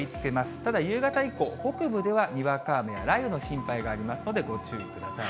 ただ、夕方以降、北部ではにわか雨や雷雨の心配がありますので、ご注意ください。